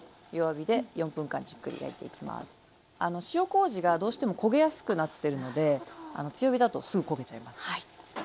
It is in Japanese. ふたをして塩こうじがどうしても焦げやすくなってるので強火だとすぐ焦げちゃいます。